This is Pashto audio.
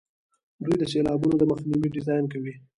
دوی د سیلابونو د مخنیوي ډیزاین کوي.